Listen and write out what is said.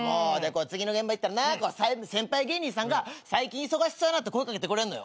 次の現場行ったらな先輩芸人さんが「最近忙しそうやな」って声かけてくれんのよ。